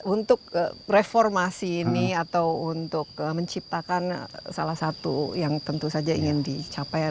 untuk reformasi ini atau untuk menciptakan salah satu yang tentu saja ingin dicapai